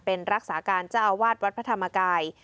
เป็นรักษาการเจ้าอาวาสวัดพระธรรมกาย